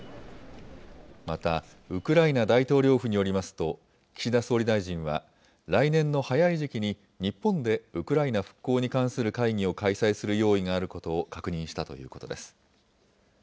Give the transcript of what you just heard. また、ウクライナ大統領府によりますと、岸田総理大臣は来年の早い時期に日本でウクライナ復興に関する会議を開催する用意があることを確認したということです。